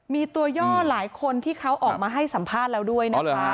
มีตัวย่อหลายคนที่เขาออกมาให้สัมภาษณ์แล้วด้วยนะคะ